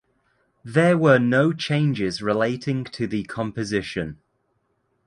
There were no changes relating to the composition.